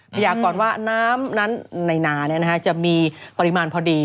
พยากรว่าน้ำนั้นในนาจะมีปริมาณพอดี